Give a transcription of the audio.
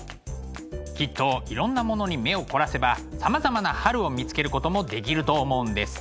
きっといろんなものに目を凝らせばさまざまな春を見つけることもできると思うんです。